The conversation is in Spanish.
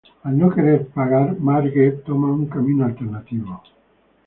Al no querer pagar, Marge toma un camino alternativo.